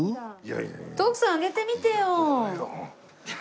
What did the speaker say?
徳さんあげてみてよ！